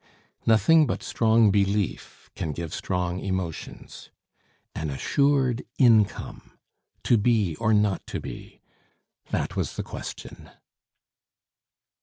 Nothing but strong belief can give strong emotions. An assured income, to be or not to be, that was the question.